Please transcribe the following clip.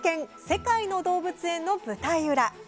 世界の動物園の舞台裏」。